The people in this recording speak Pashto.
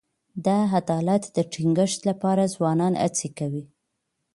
د عدالت د ټینګښت لپاره ځوانان هڅي کوي.